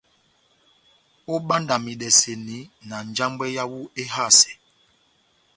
Óbandamasidɛni na njambwɛ yáwu éhásɛ.